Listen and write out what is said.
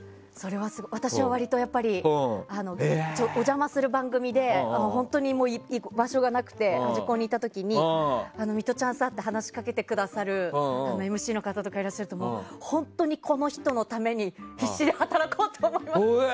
私は割とお邪魔する番組で本当に居場所がなくて端っこにいた時にミトちゃんさって話しかけてくださるＭＣの方とかいらっしゃると本当にこの人のために必死で働こうと思います。